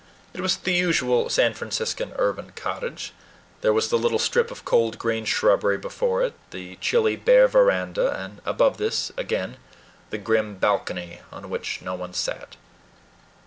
It was the usual San Franciscan urban cottage. There was the little strip of cold green shrubbery before it; the chilly, bare veranda, and above this, again, the grim balcony, on which no one sat.